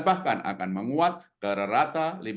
bahkan akan menguat ke arah rata